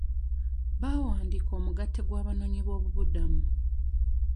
Baawandiika omugatte gw'abanoonyi b'obubuddamu.